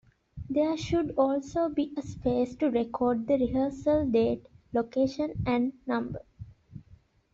There should also be a space to record the rehearsal date, location, and number.